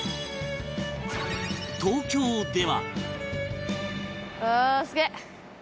東京では